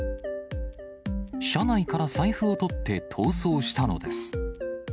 車内から財布をとって逃走したのです。